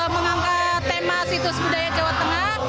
mengangkat tema situs budaya jawa tengah